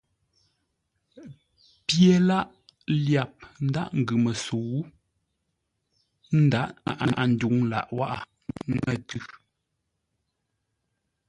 Pye lâʼ lyap ńdághʼ ńgʉ məsəu, ə́ ndaghʼ ŋáʼa ndwuŋ lâʼ wághʼə ńŋə̂ tʉ́.